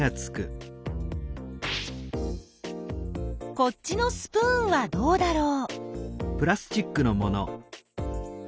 こっちのスプーンはどうだろう？